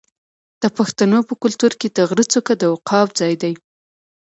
د پښتنو په کلتور کې د غره څوکه د عقاب ځای دی.